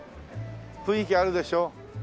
雰囲気あるでしょねえ。